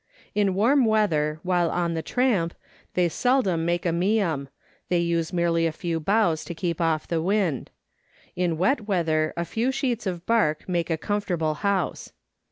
In warm weather, while on the tramp, they seldom make a miam they use merely a few boughs to keep off the wind ; in wet weather a few sheets of bark make a comfortable house.